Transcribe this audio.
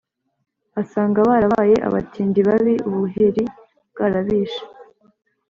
asanga barabaye abatindi babi, ubuheri bwarabishe,